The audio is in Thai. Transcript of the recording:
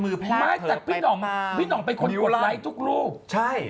มือแพลปเผื่อไปมาพี่นองมาพี่นองไปคนกดไลค์ทุกรูใช่